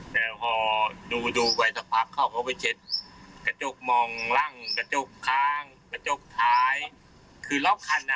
แต่พอดูดูไปสักพักเขาก็ไปเช็ดกระจกมองร่างกระจกข้างกระจกท้ายคือล็อกคันอ่ะ